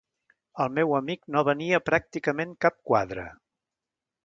El meu amic no venia pràcticament cap quadre.